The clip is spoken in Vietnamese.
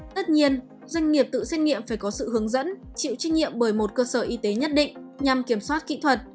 tất nhiên doanh nghiệp tự xét nghiệm phải có sự hướng dẫn chịu trách nhiệm bởi một cơ sở y tế nhất định nhằm kiểm soát kỹ thuật